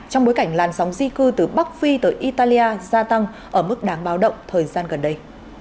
trong bối cảnh làn sóng di cư từ bắc phi tới italia gia tăng ở mức đáng báo động thời gian gần đây